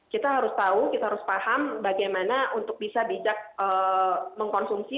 kita harus tahu kita harus paham bagaimana untuk bisa bijak mengkonsumsi